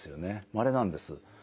まれなんです。